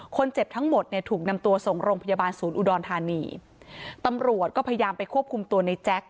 คนเจ็บทั้งหมดเนี่ยถูกนำตัวส่งโรงพยาบาลศูนย์อุดรธานีตำรวจก็พยายามไปควบคุมตัวในแจ๊ค